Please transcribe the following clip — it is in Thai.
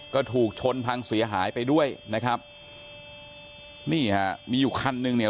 ก็ถูกชนพังเสียหายไปด้วยนะครับนี่ฮะมีอยู่คันหนึ่งเนี่ย